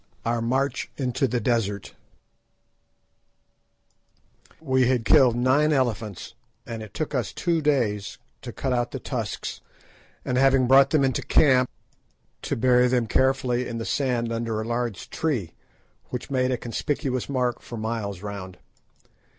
OUR MARCH INTO THE DESERT We had killed nine elephants, and it took us two days to cut out the tusks, and having brought them into camp, to bury them carefully in the sand under a large tree, which made a conspicuous mark for miles round.